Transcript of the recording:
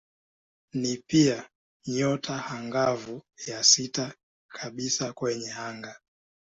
Ni pia nyota angavu ya sita kabisa kwenye anga.